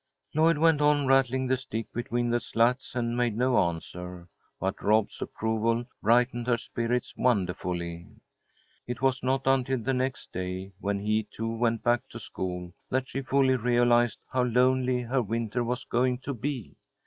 Lloyd went on rattling the stick between the slats and made no answer, but Rob's approval brightened her spirits wonderfully. It was not until the next day, when he, too, went back to school, that she fully realized how lonely her winter was going to be.